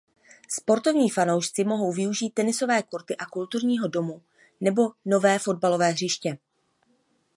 Sportovní fanoušci mohou využít tenisové kurty u kulturního domu nebo nové fotbalové hřiště.